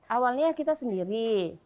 awalnya kita sendiri